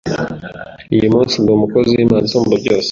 uyu munsi ndi umukozi w’Imana isumba byose